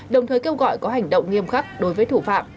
đồng thời kêu gọi có hành động nghiêm khắc đối với thủ phạm